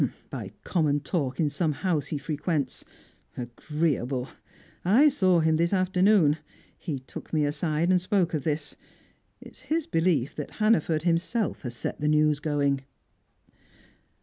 "By common talk in some house he frequents. Agreeable! I saw him this afternoon; he took me aside and spoke of this. It is his belief that Hannaford himself has set the news going."